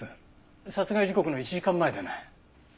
殺害時刻の１時間前だね。